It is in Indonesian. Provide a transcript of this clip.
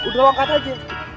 udah ongkat aja